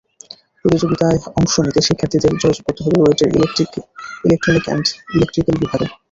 প্রতিযোগিতায় অংশ নিতে শিক্ষার্থীদের যোগাযোগ করতে হবে রুয়েটের ইলেকট্রনিক অ্যান্ড ইলেকট্রিক্যাল বিভাগে।